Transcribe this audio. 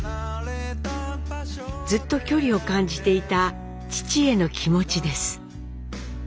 ずっと距離を感じていた父への気持ちです。